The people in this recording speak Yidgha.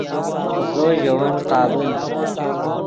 زو ژے ون قابل